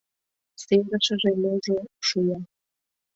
— Серышыже-можо... — шуя.